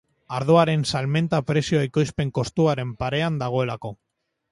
Ardoaren salmenta prezioa ekoizpen kostuaren parean dagoelako.